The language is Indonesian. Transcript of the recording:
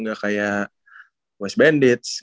gak kayak west bandits